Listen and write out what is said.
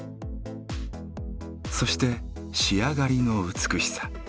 そして仕上がりの美しさ。